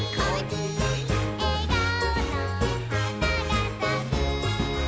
「えがおの花がさく」